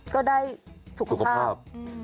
ก็ได้สุขภาพ